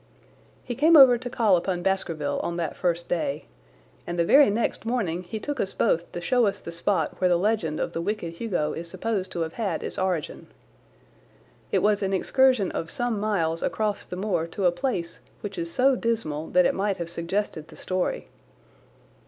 He came over to call upon Baskerville on that first day, and the very next morning he took us both to show us the spot where the legend of the wicked Hugo is supposed to have had its origin. It was an excursion of some miles across the moor to a place which is so dismal that it might have suggested the story.